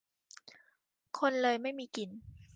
คนเลยไม่มีกิน